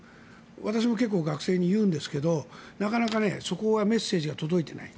私も結構大学で言うんですがなかなかそこがメッセージが届いていない。